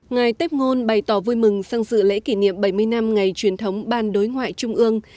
ngày tết ngôn bày tỏ vui mừng sang dự lễ kỷ niệm bảy mươi năm ngày truyền thống ban đối ngoại trung mương